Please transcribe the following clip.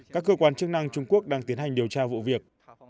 các cơ quan chức năng trung quốc đang tiến hành điều tra vụ việc